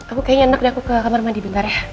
aku kayaknya enak deh aku ke kamar mandi sebentar ya